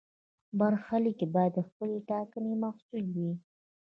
برخلیک باید د خپلې ټاکنې محصول وي.